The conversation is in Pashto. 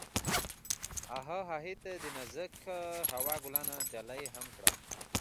هغه هغې ته د نازک هوا ګلان ډالۍ هم کړل.